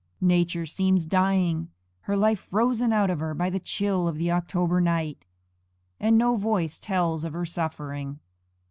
Nature seems dying, her life frozen out of her by the chill of the October night; and no voice tells of her suffering.